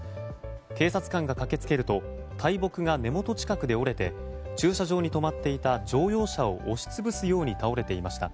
警察官が駆けつけると大木が根元近くで折れて駐車場に止まっていた乗用車を押しつぶすように倒れていました。